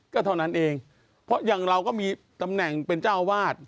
ก็เท่านั้นเองเพราะอย่างเราก็มีตำแหน่งเป็นเจ้าอาวาส